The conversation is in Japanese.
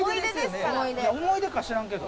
思い出か知らんけど。